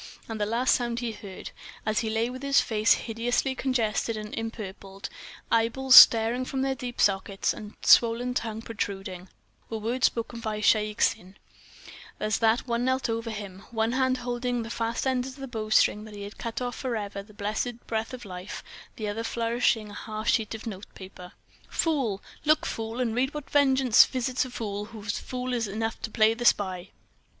And the last sounds he heard, as he lay with face hideously congested and empurpled, eyeballs starting from their deep sockets, and swollen tongue protruding, were words spoken by Shaik Tsin as that one knelt over him, one hand holding fast the ends of the bowstring that had cut off forever the blessed breath of life, the other flourishing a half sheet of notepaper. "Fool! Look, fool, and read what vengeance visits a fool who is fool enough to play the spy!"